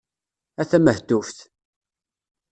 A tamehtuft!